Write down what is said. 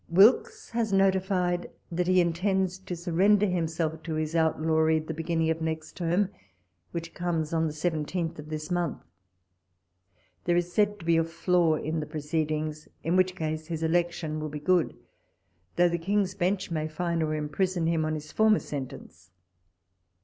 Wilkes has notified that he intends to surrender WALPOLES LETTERS. 131 himself to his outlawry, the beginning of next term, which comes on the 17th of this month. There is said to be a flaw in the proceedings, in which case his election will be good, though the King's Bench may fine or imprison him on his former sentence.